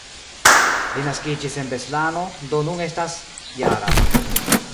Li naskiĝis en Beslano, do nun estas -jara.